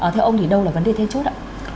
theo ông thì đâu là vấn đề then chốt ạ